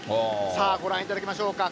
さあ、ご覧いただきましょうか。